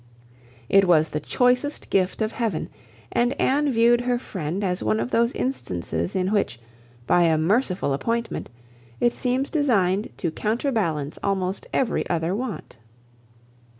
It was the choicest gift of Heaven; and Anne viewed her friend as one of those instances in which, by a merciful appointment, it seems designed to counterbalance almost every other want.